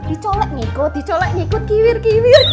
dicolek ngikut dicolak ngikut kiwir kiwir